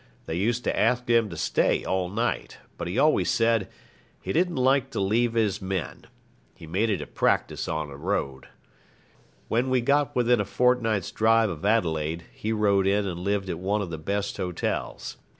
They used to ask him to stay all night, but he always said 'he didn't like to leave his men. He made it a practice on the road.' When we got within a fortnight's drive of Adelaide, he rode in and lived at one of the best hotels.